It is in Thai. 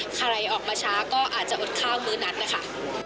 ใครออกมาช้าก็อาจจะอดข้าวมื้อนั้นนะคะ